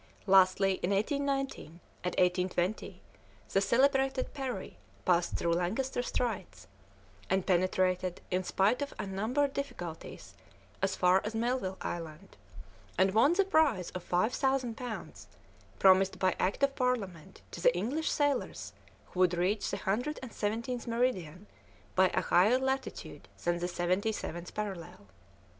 Lastly, in 1819 and 1820, the celebrated Parry passed through Lancaster Straits, and penetrated, in spite of unnumbered difficulties, as far as Melville Island, and won the prize of 5,000 pounds promised by Act of Parliament to the English sailors who would reach the hundred and seventeenth meridian by a higher latitude than the seventy seventh parallel.